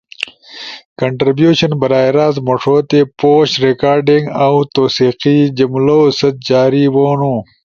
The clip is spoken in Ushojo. کنٹربیوشن براہ راست مݜوتے پوش ریکارڈنگ اؤ توثیقی جملؤ ست جاری بونو۔